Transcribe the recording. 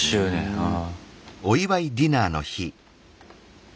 ああ。